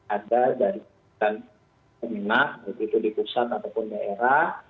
ada dari pemerintah begitu di pusat ataupun daerah